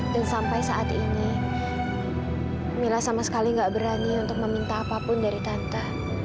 sampai saat ini mila sama sekali nggak berani untuk meminta apapun dari tante